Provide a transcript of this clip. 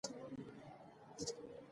پښتو ژبه به زموږ په دې لاره کې ملګرې وي.